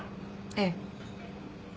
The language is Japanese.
ええ。